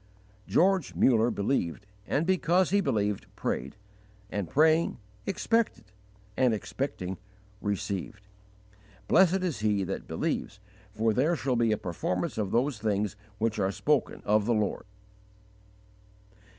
George Muller believed, and because he believed, prayed; and praying, expected; and expecting, received. Blessed is he that believes, for there shall be a performance of those things which are spoken of the Lord.